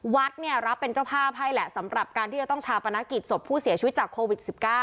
วัดเนี่ยรับเป็นเจ้าภาพให้แหละสำหรับการที่จะต้องชาปนกิจศพผู้เสียชีวิตจากโควิด๑๙